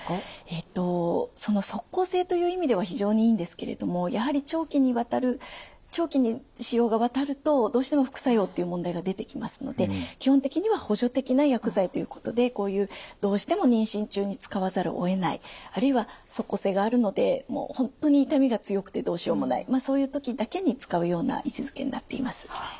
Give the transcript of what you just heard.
えと即効性という意味では非常にいいんですけれどもやはり長期にわたる長期に使用がわたるとどうしても副作用っていう問題が出てきますので基本的には補助的な薬剤ということでこういうどうしても妊娠中に使わざるをえないあるいは即効性があるので本当に痛みが強くてどうしようもないそういう時だけに使うような位置づけになっています。